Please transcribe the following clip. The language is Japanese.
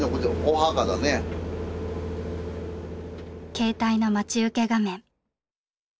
携帯の待ち受け画面。